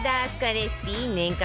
レシピ年間